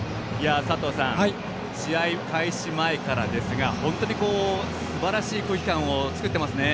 佐藤さん、試合開始前から本当にすばらしい空気感を作っていますね。